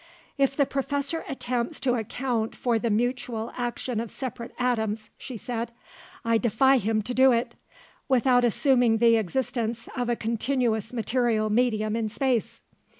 "If the Professor attempts to account for the mutual action of separate atoms," she said, "I defy him to do it, without assuming the existence of a continuous material medium in space.